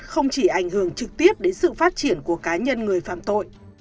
không chỉ ảnh hưởng trực tiếp đến sự phát triển của cá nhân người phạm tội